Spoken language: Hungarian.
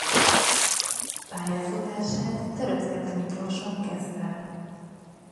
Pályafutását Törökszentmiklóson kezdte.